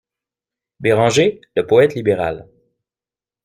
Béranger, le poète libéral.